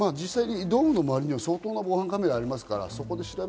ドームの周りには相当な防犯カメラありますからね。